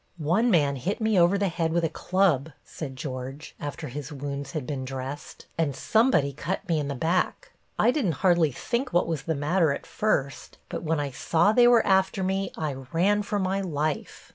"One man hit me over the head with a club," said George, after his wounds had been dressed, "and somebody cut me in the back. I didn't hardly think what was the matter at first, but when I saw they were after me I ran for my life.